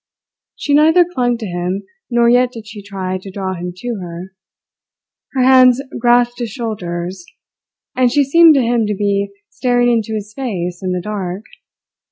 She neither clung to him, nor yet did she try to draw him to her. Her hands grasped his shoulders, and she seemed to him to be staring into his face in the dark.